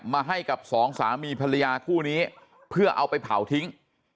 ให้กับสองสามีภรรยาคู่นี้เพื่อเอาไปเผาทิ้ง